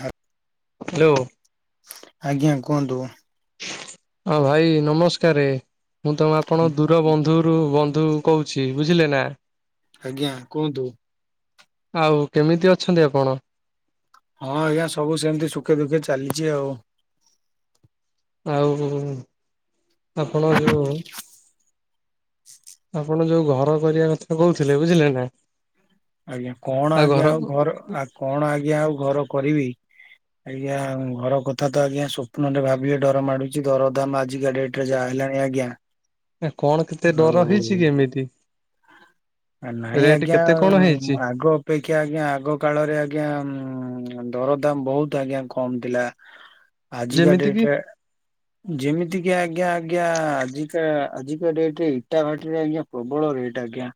ହଁ। ହ୍ୟାଲୋ ଆଜ୍ଞା କୁହନ୍ତୁ। ହଁ ଭାଇ ନମସ୍କାର ମୁଁ ତମ ଆପଣଙ୍କ ଦୂର ବନ୍ଧୁରୁ ବନ୍ଧୁ। କହୁଛି ବୁଝିଲେ ନା। ଆଜ୍ଞା କୁହନ୍ତୁ। ଆଉ କେମିତି ଅଛନ୍ତି ଆପଣ? ହଁ ଆଜ୍ଞା ସବୁ ସେମିତି ସୁଖେ ଦୁଃଖେ ଚାଲିଛି ଆଉ। ଆଉ ଆପଣ ଯୋଉ ଆପଣ ଯୋଉ ଘର କରିବା କଥା କହୁଥିଲେ ବୁଝିଲେ ନା। ଆଜ୍ଞା କଣ ଆଜ୍ଞା ଆଉ ଘର ଆ କଣ ଆଜ୍ଞା ଆଉ ଘର କରିବି। ଆଜ୍ଞା ଘର କଥା ତ ଆଜ୍ଞା ସ୍ୱପ୍ନ ରେ ଭାବିବେ ଡର ମାଡୁଛି ଘରଦାମ ଆଜିକା ଡେଟ ଜା ହେଲାଣି ଆଜ୍ଞା। ଏ କଣ କେତେ ଆଉ ଦର ହେଇଛି କି ଏମିତି? ଆ ନାଇଁ ରେଟ୍ ଆଜ୍ଞା କେତେ କଣ ହେଇଛି? ଆଗ ପେକ୍ଷା ଆଜ୍ଞା ଆଗ କାଳରେ ଆଜ୍ଞା ଉ ଦରଦାମ୍ ବହୁତ୍ ଆଜ୍ଞା କମ୍ ଥିଲା। [inaudible] ଆଜିକା ଯେମିତି ଡେଟ୍ ରେ [inaudible] ଯେମିତି କି ଆଜ୍ଞା ଆଜ୍ଞା ଆଜିକା ଆଜିକା ଡେଟେରେ ଇଟା ଭାଟିରେ ଆଜ୍ଞା ପ୍ରବଳ ରେଟ୍। ଆଜ୍ଞା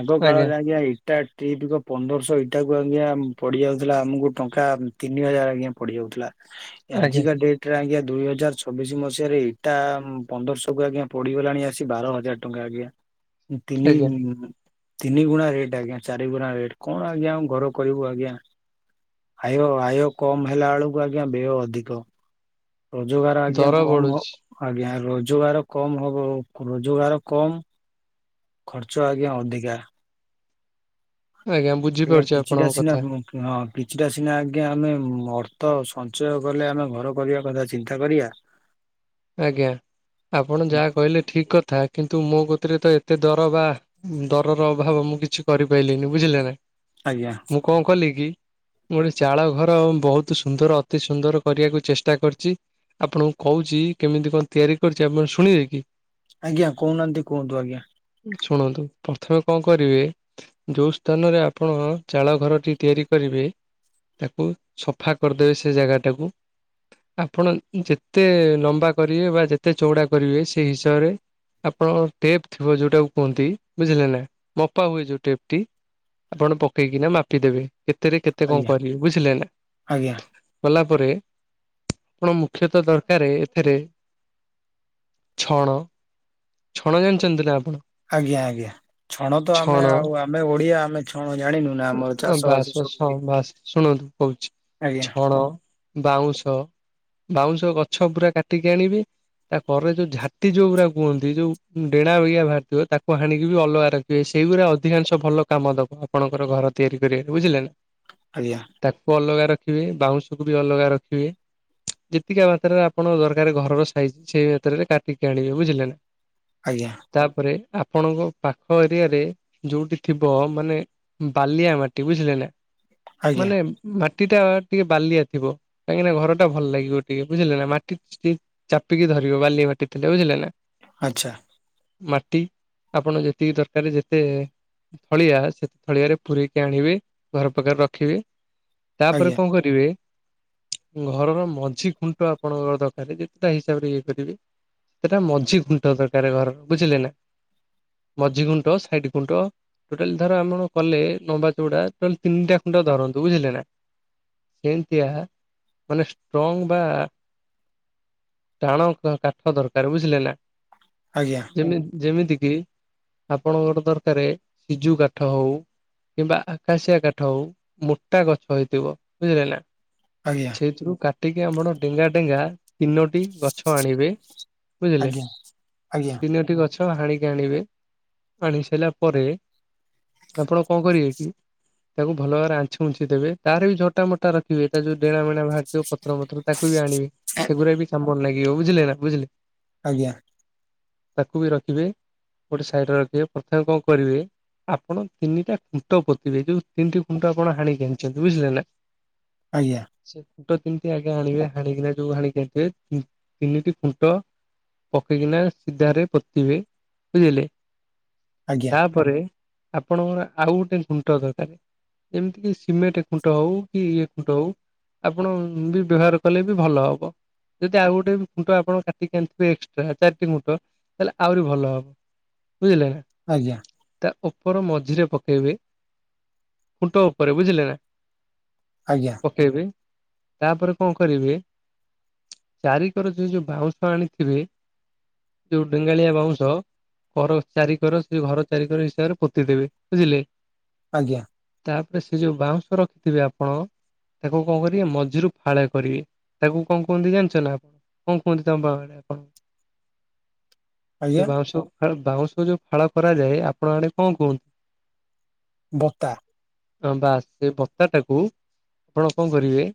ଆଗ କାଳରେ ଆଜ୍ଞା ଇଟା ଟ୍ରିପିକୁ ପନ୍ଦରଶହ ଇଟାକୁ ଆଜ୍ଞା ପଡ଼ିଯାଉଥିଲା ଆମୁକୁ ଟଙ୍କା ତିନି ହଜାର ଆଜ୍ଞା ପଡ଼ିଯାଇଥିଲା। ଆଜ୍ଞା ଆଜିିକା ଡେ ଟ୍ ରେ ଆଜ୍ଞା ଦୁଇ ହଜାର ଛବିଶି ମସିହାରେ ଇଟା ପନ୍ଦରଶହକୁ ଆଜ୍ଞା ପଡ଼ିଗଲାଣି ଆସି ବାର ହଜାର ଟଙ୍କା ଆଜ୍ଞା। ତିନି ଆଜ୍ଞା ତିନି ଗୁଣା ରେଟ୍ ଆଜ୍ଞା ଚାରିଗୁଣା ରେଟ୍ କଣ ଆଜ୍ଞା ଆଉ ଘର କରିବୁ ଆଜ୍ଞା। ଆୟ ଆୟ କମ୍ ହେଲା ବେଳକୁ ଆଜ୍ଞା ବ୍ୟୟ ଅଧିକ। ରୋଜଗାର ଆଜ୍ଞା ଦର କମ୍ ହ ବଢୁଛି। ଆଜ୍ଞା ରୋଜଗାର କମ୍ ହବ ରୋଜଗାର କମ୍ ଖର୍ଚ୍ଚ ଆଜ୍ଞା ଅଧିକା। ଆଜ୍ଞା ବୁଝିପାରୁଛି ଆପଣଙ୍କ କଥା। କିହଁ କିଛିଟା ସିନା ଆଜ୍ଞା ଆମେ ଅର୍ଥ ସଞ୍ଚୟ କଲେ ଆମେ ଘର କରିବା କଥା ଚିନ୍ତା କରିବା। ଆଜ୍ଞା ଆପଣ ଯାହା କହିଲେ ଠିକ୍ କଥା କିନ୍ତୁ ମୋ କତିରେତ ଏତେ ଦରବା ଦରର ଅଭାବ ମୁଁ କିଛି କରିପାରିଲିିନି ବୁଝିଲେନା। ଆଜ୍ଞା। ମୁଁ କଅଁ କଲିକି? ଗୋଟେ ଚାଳ ଘର ବହୁତ୍ ସୁନ୍ଦର ଅତି ସୁନ୍ଦର କରିବାକୁ ଚେଷ୍ଟା କରିଚି। ଆପଣଙ୍କୁ କହୁଚି କେମିତି କଣ ତିଆରି କରିଚି ଆପଣ ଶୁଣିବେକି? ଆଜ୍ଞା କହୁନାହାନ୍ତି କୁହନ୍ତୁ ଆଜ୍ଞା। ଶୁଣନ୍ତୁ ପ୍ରଥମେ କଣ କରିବେ ଯୋଉ ସ୍ଥାନରେ ଆପଣ ଚାଳ ଘରଟି ତିଆରି କରିବେ। ତାକୁ ସଫା କରିଦେବେ ସେ ଜାଗାଟାକୁ। ଆପଣ ଯେତେ ଲମ୍ବା କରିବେ ବାଯେତେ ଚଉଡ଼ା କରିବେ ସେଇ ହିସାବରେ ଆପଣଙ୍କ ଟେପ୍ ଥିବ ଯୋଉଟାକୁ କୁହନ୍ତି ବୁଝିଲେନା ମପା ହୁଏ ଯୋଉ ଟେପ୍ ଟି ଆପଣ ପକେଇକିନା ମାପିଦେବେ କେତେରେ କେତେ କଣ ଆଜ୍ଞା କରିବେ ବୁଝିଲେନା ଆଜ୍ଞା କଲା ପରେ ଆପଣ ମୁଖ୍ୟତଃ ଦରକାର ଏଥେରେ ଛଣ ଛଣ ଜାଣିଚନ୍ତିନା ଆପଣ? ଆଜ୍ଞା ଆଜ୍ଞା ଛଣତ ଆମେ ଛଣ ଆଉ ଆମେ ଓଡ଼ିଆ ଆମେ ଛଣ ଜାଣିନୁନା ଆମର ଚାଷ ବାସ୍ ବାସ ବାସ୍ ସବୁ ହଁ ହୁଏ ବାସ୍ ଶୁଣନ୍ତୁ କହୁଚି ଆଜ୍ଞା ଛଣ ବାଉଁଶ ବାଉଁଶ ଗଛ ପୁରା କାଟିକି ଆଣିବେ। ତାପରେ ଯୋଉ ଝାଟି ଯୋଉଗୁରା କୁହନ୍ତି ଯୋଉ ଡେଣା ବାଗିଆ ଭାରିଥିବ ତାକୁ ହାଣିକିବି ଅଲଗା ର ସେଇଗୁରା ଅଧିକାଂଶ ଭଲ କାମ ଦବ ଆପଣଙ୍କର ଘର ତିଆରି କରିବାରେ ବୁଝିଲେନା। ଆଜ୍ଞା। ତାକୁ ଅଲଗା ରଖିବେ ବାଉଁଶକୁବି ଅଲଗା ରଖିବେ ଯେତିକା ମାତ୍ରାରେ ଆପଣ ଦର କାରେ ଘରର ସାଇଜି ସେଇ ମାତ୍ରାରେ କାଟିକି ଆଣିବେ ବୁଝିଲେ ନା। ଆଜ୍ଞା। ତାପରେ ଆପଣଙ୍କ ପାଖ ଏରିଆରେ ଯୋଉଠି ଥିବ ମାନେ ବାଲିଆ ମାଟି ବୁଝିଲେନା ଆଜ୍ଞା ମାନେ ମାଟିଟା ଟିକେ ବାଲିଆ ଥିବ କାହିଁକିନା ଘରଟା ଭଲ ଲାଗିବ ଟିକେ ବୁଝିଲେନା ମାଟି ସି ଚାପିକି ଧରିବ ବାଲିଆ ମାଟି ଥିଲେ ବୁଝିଲେନା। ଆଚ୍ଛା। ମାଟି ଆପଣ ଯେତିକି ଦରକାରେ ଯେତେ ଥଳିଆ ସେତେ ଥଳିଆରେ ପୁୁରେଇକି ଆଣିବେ ଘର ପାଖରେ ରଖିବେ। ତାପରେ ଆଜ୍ଞା କଣ କରିବେ ଘରର ମଝି ଖୁଣ୍ଟ ଆପଣଙ୍କର ଦ ଯେତେଟା ହିସାବରେ ଇଏ କରିବେ ସେଟା ମଝି ଖୁଣ୍ଟ ଦରକାର୍ ଘରର ବୁଝିଲେନା ମଝି ଖୁୁଣ୍ଟ ସାଇଟ୍ ଖୁଣ୍ଟ ଟୋଟାଲି ଧର ଆପଣ କଲେ ନମ୍ବା ଚଉଟା ତାହାନେ ତିନିଟା ଖୁଣ୍ଡ ଧରନ୍ତୁ ବୁଝିଲେନା ସେମିତିଆ ମାନେ ଷ୍ଟ୍ରଙ୍ଗ ବା ଟାଣ କାଠ ଦରକାର ବୁଝିଲେ ନା? ଆଜ୍ଞା। ଯେମ ଯେମିତି କିି ଆପଣଙ୍କର ଦରକାର ସିଜୁ କାଠ ହଉ କିମ୍ବା ଆକାଶିଆ କାଠ ହଉ ମୋଟା ଗଛ ହେଇଥିବ ବୁଝିଲେ ନା? ଆଜ୍ଞା। ସେଥିରୁ କାଟିକି ଆମଣ ଡେଙ୍ଗା ଡେଙ୍ଗା ତିନୋଟି ଗଛ ଆଣିବେ ବୁଝିଲେ ଆଜ୍ଞା ଆଜ୍ଞା ତିନୋଟି ଗଛ ହାଣିକି ଆଣିବେ ଆଣି ସାରିଲା ପରେ ଆପଣ କଣ କରିବେ କି ତାକୁ ଭଲ ଭାବରେ ଆଞ୍ଚି ଉଛି ଦେବେ ତାର ବି ଝୋଟା ମୋଟା ର ଦେଖିବେ ତା ଯୋଉ ଡେଣା ବେଣା ବାହାରଥିବ ପତ୍ର ପତ୍ରର ତାକୁ ବି ଆଣିବେ ସେଗୁରା ବି କାମରେ ଲାଗିବ ବୁଝିଲେ ନା ବୁଝିଲେ? ଆଜ୍ଞା। ତାକୁ ବି ରଖିବେ ଗୋଟେ ସାଇଡରେ ରଖିବେ ପ୍ରଥମେ କଣ କରିବେ ଆପଣ ତିନିଟା ଖୁଣ୍ଟ ପୋତିିବେ ଯୋଉ ତିନିଟି ଖୁଣ୍ଟ ଆପଣ ହାଣି ଆଣିଛନ୍ତି ବୁଝିଲେ ନା? ଆଜ୍ଞା। ସେ ଖୁଣ୍ଟ କେମିତି ଆଗେ ଆଣିବେ ହାଣ ଯୋଉ ହାଣି ଆଣିଥିବେ ତିନିଟି ଖୁଣ୍ଟ ପକେଇକିନା ସିଧାରେ ପୋତିିବେ ବୁଝିଲେ? ଆଜ୍ଞା ଆଜ୍ଞା ତାପରେ ଆପଣଙ୍କର ଆଉ ଗୋଟେ ଖୁଣ୍ଟ ଦରକାର ଏମିତି କି ସିମେଣ୍ଟ ଖୁଣ୍ଟ ହଉ କି ଇଏ ଖୁଣ୍ଟ ହଉ ଆପଣ ବି ବ୍ୟବହାର କଲେ ବି ଭଲ ହବ। ଯଦି ଆଉ ଗୋଟେ ବି ଖୁଣ୍ଟ ଆପଣ କାଟିକି ଆଣିଥିବେ ଏକ୍ସଟ୍ରା ଚାରିଟି ଖୁଣ୍ଟ ତାହେଲେ ଆହୁରି ଭଲ ହବ। ବୁଝିଲେ ନା? ଆଜ୍ଞା। ତା ଉପର ମଝିରେ ପକେଇବେ ଖୁଣ୍ଟ ଉପରେ ବୁଝିଲେ ନା? ଆଜ୍ଞା। ପକେଇବେ ତାପରେ କଣ କରିବେ ଚାରିିକର ଯୋ ଯୋଉ ବାଉଁଶ ଆଣିଥିବେ ଯୋଉ ଡେଙ୍ଗାଳିଆ ବାଉଁଶ କର ଚାରିିକର ସେ ଘର ଚାରିିକର ହିସାବରେ ପୋତିଦବେ ବୁଝିଲେ? ଆଜ୍ଞା। ତାପରେ ସେ ଯୋଉ ବାଉଁଶ ରଖିଥିବେ ଆପଣ ତାକୁ କଣ କରିବେ ମଝିରୁ ଫାଳ କରିବେ ତାକୁ କଣ କୁହନ୍ତି ଜାଣିଛ ନା ଆପଣ କଣ କୁହନ୍ତି ତମ ପାହାରେ ଆପଣ ଆଜ୍ଞା ଯଉ ବାଉଁଶ ବାଉଁଶ ଯୋଉ ଫାଳ କରାଯାଏ ଆପଣ ଆଣେ କଣ କୁହନ୍ତୁ ବତା। ହଁ ବା ସେ ବତ୍ତା ଟାକୁ ଆପଣ କଣ କରିବେ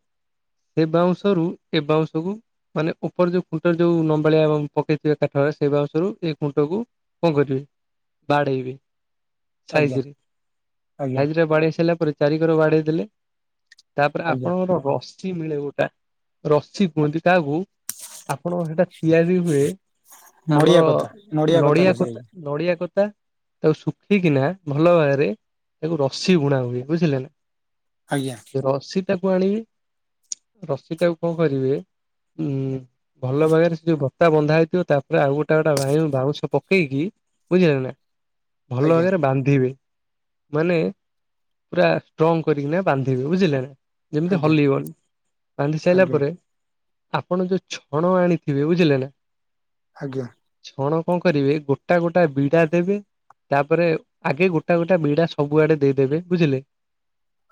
ସେ ବାଉଁଶରୁ ଏ ବାଉଁଶକୁୁ ମାନେ ଉପର ଯୋଉ ଖୁଣ୍ଟ ଯୋଉ ନମ୍ବାଳିଆ ପକେଇଥିବେ କାଠରେ ସେଇସରୁ ଏଇ ଖୁଣ୍ଟ କକୁ କଣ କରିବେ ବାଡେଇ ବେ ଆଜ୍ଞା ସାଇଜରେ ଆଜ୍ଞା ସାଇଜ ରେ ବାଡେଇ ସାରିଲା ପରେ ଚାରି ଘର ବାଡେଇ ଦେଲେ ତାପରେ ଆଜ୍ଞା ଆପଣଙ୍କର ରସି ମିଳେ ଗୋଟା ରସି କୁହନ୍ତି ତାହାକୁ ଆପଣ ସେଇଟା ତିଆରି ହୁଏ। ନଡିଆ ଆମର କଥା କଥା ନଡିଆ ରସି କ ନଡିଆ କ ତାକୁ ଶୁଖିକିନା ଭଲ ଭାବରେ ରସିବୁଣା ହୁଏ ବୁଝିଲ ନା? ଆଜ୍ଞା। ରସି ଟାକୁ ଆଣିବି ରସି ଟାକୁ କଣ କରିବେ ଉଁ। ଭଲ ଭାଗରେ ସେ ଯୋଉ ବତ୍ତା ବନ୍ଧା ହେଇଥିବ ତାପରେ ଆଉ ଗୋଟେ ଗୋଟେ ବାଉଁଶ ପକେଇକି। ବୁଝିଲ ନା ଭଲ ଆଜ୍ଞା ଭାଗରେ ବାନ୍ଧିବେ। ମାନେ ପୁରା ଷ୍ଟ୍ରଙ୍ଗ କରିକିନା ବାନ୍ଧିବେ ବୁଝିଲେ ନା ଯେମିତି ଆଜ୍ଞା ହଲିବନ। ସାଇଲା ଆଜ୍ଞା ପରେ ଆପଣ ଯୋଉ ଛଣ ଆଣିଥିବେ ବୁଝିଲେ ନା। ଆଜ୍ଞା। ଛଣ କଁ କରିବେ ଗୋଟା ଗୋଟା ବିଡା ଦେବେ। ତାପରେ ଆଗେ ଗୋଟା ଗୋଟା ବିଡା ସବୁଆଡେ ଦେଇଦେବେ ବୁଝିଲେ।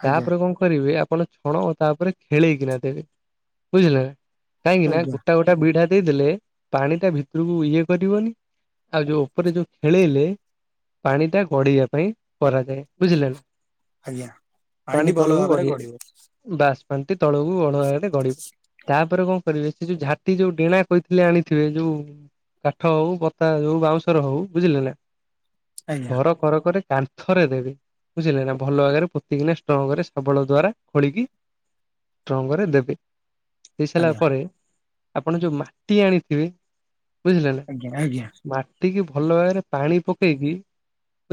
ତାପରେ କଁ କରିବେ ଆପଣ ଛଣ ତା ଉପରେ ଖେଳେଇକିନା ଦେବେ। ବୁଝିଲେ କାହିଁକି ନା ଆଜ୍ଞା ଆଜ୍ଞା ଗୋଟା ଗୋଟା ବିଢା ଦେଇଦେଲେ ପାଣି ଟା ଭିତୁରୁକୁ ଇଏ କରିବନି। ଆଉ ଯୋଉ ଓପୋରେ ଯୋଉ ଖେଳେଇଲେ। ପାଣି ଟା ଗଢେଇିବା ପାଇଁ କରାଯାଏ ବୁଝିଲେ ନା। ଆଜ୍ଞା ପାଣି ପାଣିଟି ଭଲ ତଳୁକୁ ଭାବରେ ଗଡି ଗଡିବ [unintelligible] ବାସ ପାଣିଟି ତଳୁକୁ [unintelligible] [unintelligible] ତାପରେ କଁ କରିବେ ସେ ଯୋଉ ଝାଟି ଯୋଉ ଡେଣା କହିଥିଲେ ଆଣିଥିବେ ଯୋଉ କାଠ ହୋଉ ବତା ହେଉ ବାଉଁଶର ହୋଉ ବୁଝିଲେ ନା ଆଜ୍ଞା ଘର କରକରେ କାନ୍ଥରେ ଦେବେ ବୁଝିଲେ ନା ଭଲ ବାଗରେ ପୋତି କିନା ଷ୍ଟ୍ରଙ୍ଗରେ ସବଳ ଦ୍ୱାରା ଖୋଳିକି ଷ୍ଟ୍ରଙ୍ଗରେ ଦେବେ ଦେଇ ସାଇଲା ଆଜ୍ଞା ପରେ ଆପଣ ଯୋଉ ମାଟି ଆଣିଥିବେ ବୁଝିଲେ ନା ଆଜ୍ଞା ଆଜ୍ଞା ମା ଟିକି ଭଲ ଭାବରେ ପାଣି ପକେଇକି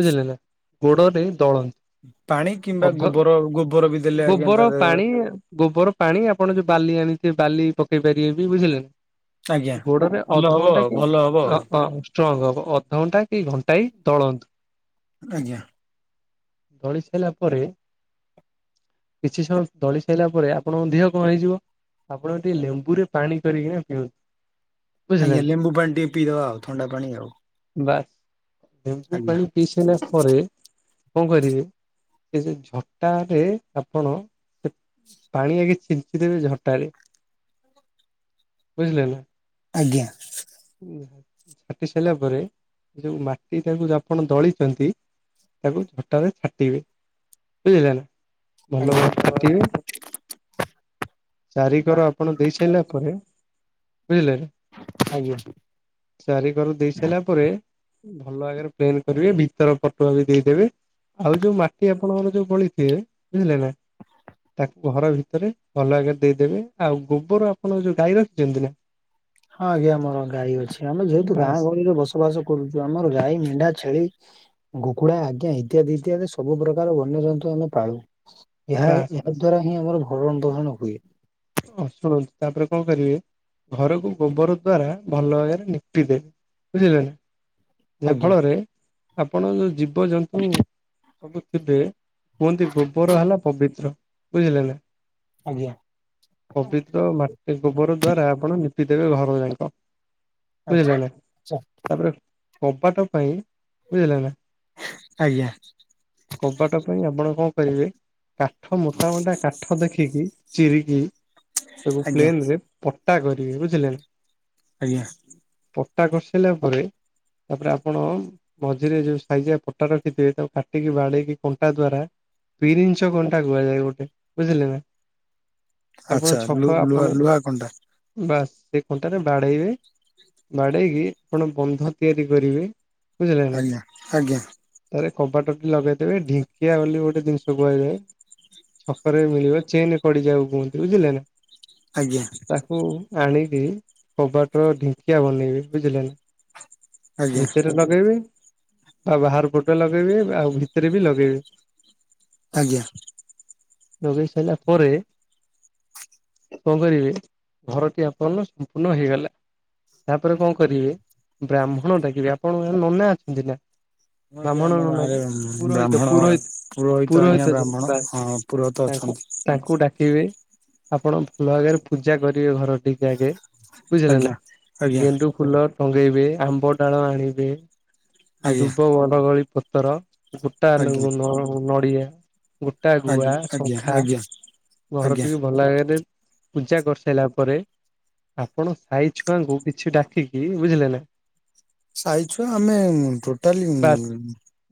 ବୁଝିଲେ ନା ଗୋଡରେ ଦଳନ୍ତ। ପାଣି କିମ୍ବା ଅଧ ଗୋବର ଗୋବର ବି ଦେଲେ ଆଜ୍ଞା ତା ଗୋବୋରୋ ଦେହରେ ପାଣି ଗୋବୋରୋ ପାଣି ଆପଣ ଯୋଉ ବାଲି ଆଣିଥିବେ ବାଲି ପକେଇ ପାରିବେ ବି ବୁଝିଲେ ଆଜ୍ଞା ଗୋଡ଼ରେ ଭଲ ଅଧ ହବ ଘଣ୍ଟା ଆଉ କି ଭଲ ହବ ଆଉ [unintelligible] ଷ୍ଟ୍ରଙ୍ଗ୍ ହବ ଅଧଘଣ୍ଟା କି ଘଣ୍ଟାଇ ଦଳନ୍ତୁ। ଆଜ୍ଞା। ଦଳି ସାଇଲା ପରେ କିଛି ସମୟ ଦଳି ସାଇଲା ପରେ ଆପଣଙ୍କ ଦିହ କଁ ହେଇଯିବ ଆପଣ ଟିକେ ଲେମ୍ବୁରେ ପାଣି କରିକିନା ପିଅନ୍ତୁ। ବୁଝିଲେ ଆଜ୍ଞା ନା ଲେମ୍ବୁ ପାଣି ଟିକେ ପିଇଦବା ଆଉ ଥଣ୍ଡା ପାଣି ଆଉ। ବାସ୍ ଲେମ୍ବୁ ଆଜ୍ଞା ପାଣି ପିଇ ସାଇଲା ପରେ କଁ କରିବେ। ସେ ଯୋଉ ଝଟାରେ ଆପଣ ସେ ପାଣି ଆଗେ ଛିନ୍ ଞ୍ଚି ଦେବେ ଝଟାରେ ବୁଝିଲେ ନା। ଆଜ୍ଞା। [unintelligible] ଛାଟି ସାଇଲା ପରେ ଯୋଉ ମାଟି ଟାକୁ ଯୋଉ ଆପଣ ଦଳିଚନ୍ତି। ତାକୁ ଝଟାରେ ଛାଟିବେ। ବୁଝିଲେ ନା ଭଲ ଆଜ୍ଞା ଭାବରେ ଛାଟିବେ। ଚାରିିକର ଆପଣ ଦେଇ ସାଇଲା ପରେ ବୁଝିଲେ ନା। ଆଜ୍ଞା। ଚାରି କର ଦେଇ ସାଇଲା ପରେ ଭଲ ବାଗରେ [unintelligible] କରିବେ ଭିତର ପଟୁଆ ବି ଦେଇଦେବେ। ଆଉ ଯୋଉ ମାଟି ଆପଣଙ୍କର ଯୋଉ ବଳିଥିବେ ବୁଝିଲେ ନା। ତାକୁ ଘର ଭିତରେ ଭଲ ବାଗରେ ଦେଇଦେବେ ଆଉ ଗୋବୋରୋ ଆପଣ ଯୋଉ ଗାଈ ରଖିଚନ୍ତି ନା। ହଁ ଆଜ୍ଞା ଆମର ଗାଈ ଅଛି ଆମେ ଯେହେତୁ ଗାଁ ବାସ୍ ଗହଳିରେ ବସବାସ କରୁଚୁ ଆମର ଗାଈ ମେଣ୍ଢା ଛେଳି ଗୁକୁଡା ଆଜ୍ଞା ଇତ୍ୟାଦି ଇତ୍ୟାଦି ସବୁ ପ୍ରକାର ବନ୍ୟଜନ୍ତୁ ଆମେ ପାଳୁ। ଏହା ବାସ୍ ଏହା ବାସ୍ ଦ୍ଵାରା ହିଁ ଆମର ଭରଣ ପୋଷୋଣ ହୁଏ। [unintelligible] ଶୁଣନ୍ତୁ ତାପରେ କଁ କରିବେ ଘରକୁ ଗୋବୋରୋ ଦ୍ଵାରା ଭଲ ବାଗରେ ନିପି ଦେବେ। ବୁଝିଲେ ନା ଯାହା ଆଜ୍ଞା ଫଳରେ ଆପଣ ଯୋଉ ଜୀବଜନ୍ତୁ ସବୁ ଥିବେ କୁଅନ୍ତି ଗୋବୋରୋ ହେଲା ପବିତ୍ର ବୁଝିଲେ ନା। ଆଜ୍ଞା। ପବିତ୍ର ମାଟି ଗୋବୋରୋ ଦ୍ଵାରା ଆପଣ ନିପି ଦେବେ ଘର ଯାଙ୍କ। ଆଚ୍ଛା। ବୁଝିଲେନା ଆଚ୍ଛା ତାପରେ କବାଟ ପାଇଁ ବୁଝିଲେ ନା। ଆଜ୍ଞା। କବାଟ ପାଇଁ ଆପଣ କଁ କରିବେ କାଠ ମୋଟା ମୋଟା କାଠ ଦେଖିକି ଚିରିକି ତାକୁ ଆଜ୍ଞା ପ୍ଲେନରେ ପଟା କରିବେ ବୁଝିଲେନା। ଆଜ୍ଞା। ପରଟା କରିସାରିଲା ପରେ ତାପରେ ଆପଣ ମଝିରେ ଯୋଉ ସାଇଜିଆ ପୋଟା ରଖିଥିବେ ତାକୁ କାଟିକି, ବାଡେଇିକି କଣ୍ଟା ଦ୍ଵାରା ପିରିଞ୍ଚ କଣ୍ଟା କୁଆଯାଏ ଗୋଟେ ବୁଝିଲେ ନା। ଆପଣ ଆଚ୍ଛା ଲୁ ଛକ ଲୁହା ଆପଣ ଲୁହା କଣ୍ଟା ବାସ ସେ କଣ୍ଟାରେ ବାଡେଇବେ। ବାଡେଇକି ଆପଣ ବନ୍ଧ ତିଆରି କରିବେ ବୁଝିଲେନା? ଆଜ୍ଞା ଆଜ୍ଞା। ତରେ କବାଟଟି ଲଗେଇଦେବେ ଢିଙ୍କିଆ ବୋଲି ଗୋଟେ ଜିନିଷ କୁହାଯାଏ। ଛକରେ ବି ମିଳିବ ଚେନ କଡି ଯିବାକୁ କୁହନ୍ତି, ବୁଝିଲେ ନା? ଆଜ୍ଞା। ତାକୁ ଆଣିକି କବାଟ ର ଢିଙ୍କିଆ ବନେଇବି ବୁଝିଲେ ନା? ଆଜ୍ଞା ଭିତରେ ଲଗେଇବେ ଆଉ ବାହାର ପଟେ ଲଗେଇବେ, ଆଉ ଭିତରେ ବି ଲଗେଇବେ। ଆଜ୍ଞା। ଲଗେଇ ସାରିଲା ପରେ କଣ କରିବେ, ଘରଟି ଆପହନ ସମ୍ପୂର୍ଣ୍ଣ ହେଇଗଲା। ତାପରେ କଣ କରିବେ ବ୍ରାହ୍ମଣ ଡାକିବେ। ଆପଣଙ୍କ ଆଡେ ନନା ଅଛନ୍ତି ନା? ହଁ ଏ ଆମ ବ୍ରାହ୍ମଣ ଗାଁରେ ନନାଙ୍କୁ। ପୁରହିତ ବ୍ରାହ୍ମଣ ପୁରହିତ ପୁରୋହିତ ଆଜ୍ଞା ବ୍ରାହ୍ମଣ ହ ପୁରୋହିତ ତାଙ୍କୁ ଅଛନ୍ତି। ତାଙ୍କୁ ଡାକିବେ ଆପଣ ଭଲ ଭାବରେ ପୂଜା କରିବେ ଘର ଟିକେ ଆଗେ। ବୁଝିଲ ନା? ଆଜ୍ଞା ଆଜ୍ଞା ଗେଣ୍ଡୁ ଫୁଲ ଟଙ୍ଗେଇବେ, ଆମ୍ବ ଡାଳ ଆଣିବେ ଆଜ୍ଞା ଧୁବ ବନଗଳି ପତର। ଗୋଟା ଆଜ୍ଞା ନଡିଆ, ଗୋଟା ଆଜ୍ଞା ଗୁଆ, ଆଜ୍ଞା ଶଙ୍ଖା। ଆଜ୍ଞା ଆଜ୍ଞା। ଘରକୁ ଟିକେ ଭଲ ଭାବରେ ପୂଜା କରିସାରିଲା ପରେ ଆପଣ ସହି ଛୁଆଙ୍କୁ କିଛି ଡାକିକି, ବୁଝିଲେ ନା? ସାହି ଛୁଆ ଆମେ ଟୋଟାଲି, ବାସ୍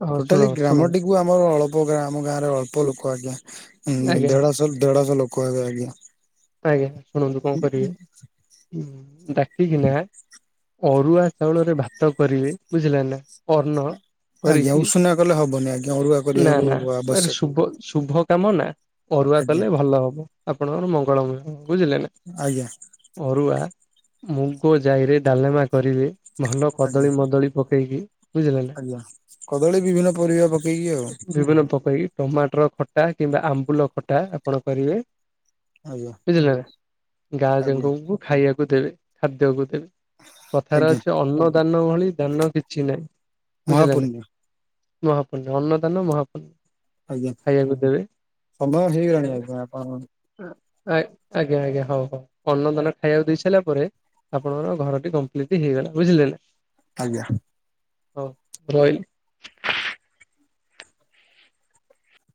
ହଁ ଶୁଣ ଟୋଟାଲି ଶୁଣ ଗ୍ରାମ ଟି କୁ ଆମର ଅଳ୍ପ ଗାଁ, ଆମ ଗାଁରେ ଅଳ୍ପ ଲୋକ ଆଜ୍ଞା, ଆଜ୍ଞା ଦେଢ ଦେଢଶହ ଲୋକ କ ଆ ଗ ଆଜ୍ଞା। ଆଜ୍ଞା ଶୁଣନ୍ତୁ କଣ କରିବେ ଡାକିକିନା ଅରୁଆ ଚାଉଳରେ ଭାତ କରିବେ, ବୁଝିଲ ନା? ଅର୍ଣ ଆଜ୍ଞା କରିକି, ଉଷୁନା କଲେ ହବନି ଆଜ୍ଞା ଅରୁଆ ନା କରିବାକୁ ନା ଆବଶ୍ୟକ ଶୁଭ ଶୁଭ କାମ ନା। ଅରୁଆ ଆଜ୍ଞା କଲେ ଭଲ ହବ। ଆପଣଙ୍କର ମଙ୍ଗଳମୟ। ବୁଝିଲେ ନା? ଆଜ୍ଞା ଅରୁଆ ମୁଗ ଯାଇରେ ଡାଲମା କରିବେ। ଭଲ ଆଜ୍ଞା କଦଳୀ ମଦଳୀ ପକେଇକି। ବୁଝିଲେ ନା। ଆଜ୍ଞା କଦଳୀ ବିଭିନ୍ନ ପରିବା ପକେଇକି ଆଉ। ବିଭିନ୍ନ ତ ପେଇ ଟମାଟୋର ଖଟା କିମ୍ବା ଆମ୍ବୁଲ ଖଟା ଆପଣ କରିବେ। ଆଜ୍ଞା ବୁଝିଲେ ନା? ଗାଁ ଆଜ୍ଞା ଯାକକୁ ଖାଇବାକୁ ଦେବେ ଖାଦ୍ୟକୁ ଦେବେ। କଥାରେ ଆଜ୍ଞା ଅଛି ଅନ୍ନ ଦାନ ଭଳି ଦାନ କିଛି ନାହିଁ। ବୁଝିଲ ନା? ମହାପୂଣ୍ୟ ମହାପୂନ୍ୟ ଅନ୍ନଦାନ ମହାପୂନ୍ୟ। ଆଜ୍ଞା ସମୟ ହେଇଗଲାଣି ଖାଇବାକୁ। ଆଜ୍ଞା ଆପଣ ଆଜ୍ଞା ଆଜ୍ଞା ହଉ ହଉ ଅନ୍ନ ଦାନ ଖାଇବାକୁ ଦେଇସାରିଲା ପରେ ଆପଣଙ୍କର ଘରଟି କମ୍ପ୍ଲିଟ୍ ହେଇଗଲା। ବୁଝିଲେ ନା? ଆଜ୍ଞା। ହଉ ରଇଲି।